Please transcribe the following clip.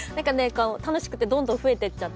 楽しくてどんどんふえていっちゃって。